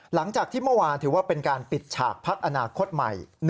หลังจากที่เมื่อวานถือว่าเป็นการปิดฉากพักอนาคตใหม่